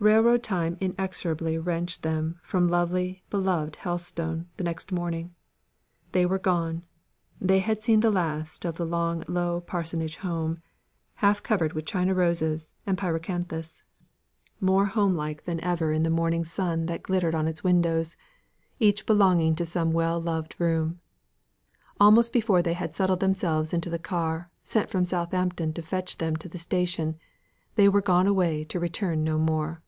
Railroad time inexorably wrenched them away from lovely, beloved Helstone, the next morning. They were gone; they had seen the last of the long low parsonage home, half covered with China roses and pyracanthus more homelike than ever in the morning sun that glittered on its windows, each belonging to some well loved room. Almost before they had settled themselves into the car, sent from Southampton to fetch them to the station, they were gone away to return no more.